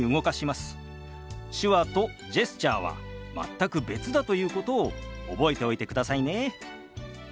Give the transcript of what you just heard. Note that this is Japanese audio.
手話とジェスチャーは全く別だということを覚えておいてくださいね。